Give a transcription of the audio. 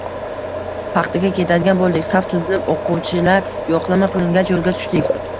Paxtaga ketadigan boʻldik. Saf tuzilib, oʻquvchilar yoʻqlama qilingach, yoʻlga tushdik.